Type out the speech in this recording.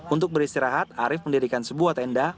untuk beristirahat arief mendirikan sebuah tenda